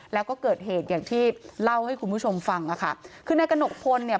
แล้วก็เกิดเหตุอย่างที่เล่าให้คุณผู้ชมฟังอ่ะค่ะคือนายกระหนกพลเนี่ย